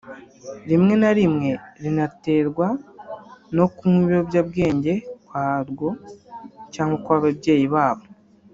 rimwe na rimwe rinaterwa no kunywa ibiyobyabwenge kwa rwo cyangwa kw’ababyeyi ba bo